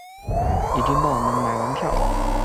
已经帮我们买完票了